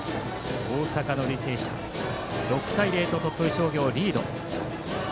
大阪の履正社が６対０と鳥取商業をリード。